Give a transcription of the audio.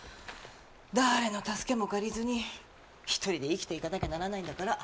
誰の助けも借りずに１人で生きていかなきゃならないんだから。